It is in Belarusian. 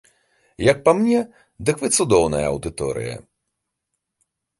Як па мне, дык вы цудоўная аўдыторыя.